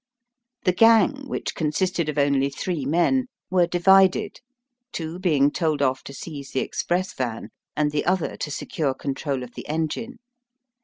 The gang, which consisted of only three men, were divided, two being told off to seize the express van, and the other to secure control of the engine.